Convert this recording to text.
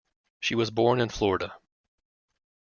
She was born in Florida.